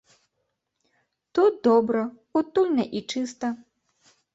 Тут добра, утульна і чыста.